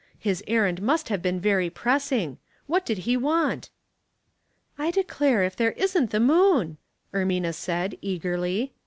His errand must have been very pressing. What did he want?" " I declare if there isn't the moon," Ermina said, eagerly.